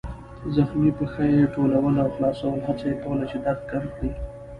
زخمي پښه يې ټولول او خلاصول، هڅه یې کوله چې درد کم کړي.